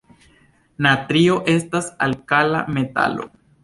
Natrio estas alkala metalo.